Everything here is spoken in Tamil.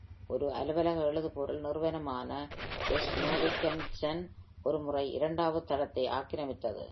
ஒரு அலுவலக எழுதுபொருள் நிறுவனமான எஸ். நோவிக் அண்ட் சன் ஒருமுறை இரண்டாவது தளத்தை ஆக்கிரமித்தது.